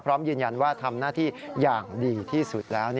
พร้อมยืนยันว่าทำหน้าที่อย่างดีที่สุดแล้ว